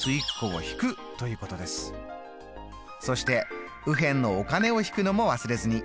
そして右辺のお金を引くのも忘れずに。